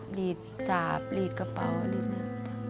หลีดสาบหลีดกระเป๋าอะไรแบบนี้